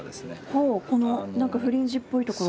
ほうこの何かフリンジっぽいところ。